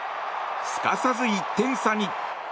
すかさず１点差に。